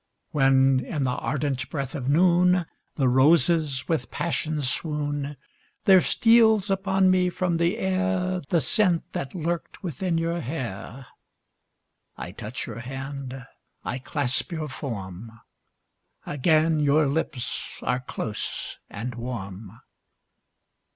When, in the ardent breath of noon, The roses with passion swoon; There steals upon me from the air The scent that lurked within your hair; I touch your hand, I clasp your form Again your lips are close and warm.